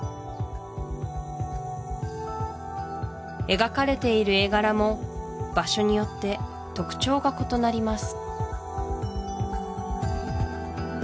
描かれている絵柄も場所によって特徴が異なります